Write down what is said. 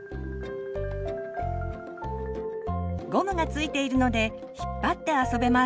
ゴムが付いているので引っ張って遊べます。